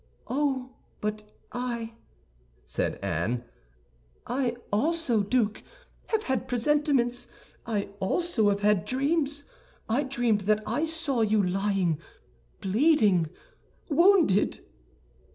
"Oh, but I," said Anne, "I also, duke, have had presentiments; I also have had dreams. I dreamed that I saw you lying bleeding, wounded."